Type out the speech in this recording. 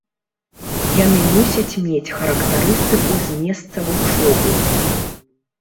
Яны мусяць мець характарыстыку з месца вучобы.